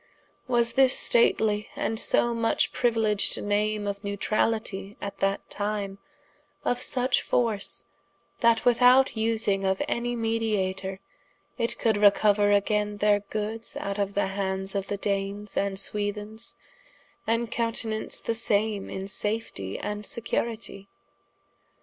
Was this stately, & so much priuiledged name of Newtralitie at that time, of such force, that without vsing of any mediatour, it could recouer againe their goods out of the hands of the Danes & Swethens, & countenance the same in safetie, & securitie?